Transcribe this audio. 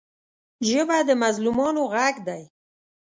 ژبه د مظلومانو غږ دی